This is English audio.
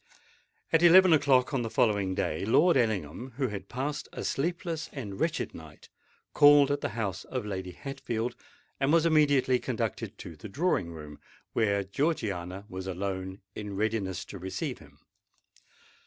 At eleven o'clock on the following day, Lord Ellingham, who had passed a sleepless and wretched night, called at the house of Lady Hatfield, and was immediately conducted to the drawing room, where Georgiana was alone in readiness to receive him.